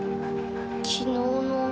昨日の朝。